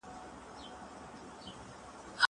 ځکه رقيبان ټوله لمبه سوله